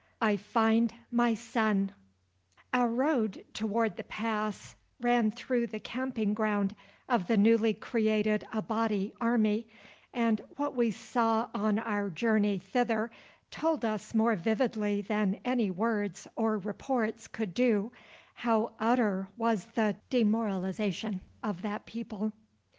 I FIND MY SON Our road toward the pass ran through the camping ground of the newly created Abati army, and what we saw on our journey thither told us more vividly than any words or reports could do, how utter was the demoralization of that people.